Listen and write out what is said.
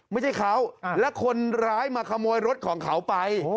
ไม่ใช่เขาและคนร้ายมาขโมยรถของเขาไป